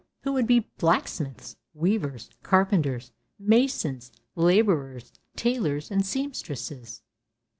Who would be blacksmiths, weavers, carpenters, masons, labourers, tailors and seamstresses?